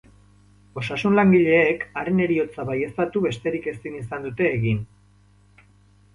Osasun-langileek haren heriotza baieztatu besterik ezin izan dute egin.